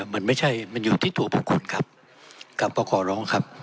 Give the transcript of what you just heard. มันไม่ใช่มันอยู่ที่ตัวบุคคลครับครับก็ขอร้องครับ